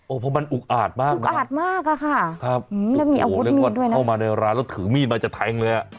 โอ้เพราะมันอุกอาจมากนะครับมีอาวุธมีดด้วยนะโอ้แล้วก็เข้ามาในร้านแล้วถือมีดมาจะแทงเลยอะ